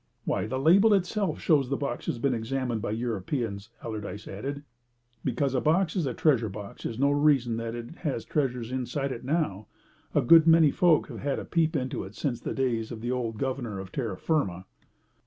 "Why, the label itself shows that the box has been examined by Europeans," Allardyce added. "Because a box is a treasure box is no reason that it has treasures inside it now. A good many folk have had a peep into it since the days of the old Governor of Terra Firma."